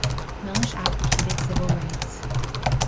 Melish advocated civil rights.